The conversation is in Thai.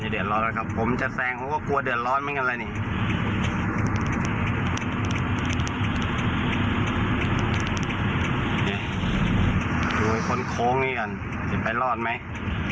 เดี๋ยวดูกันหน่อยตอนที่ถ่ายคลิปเอาไว้ได้นะคะ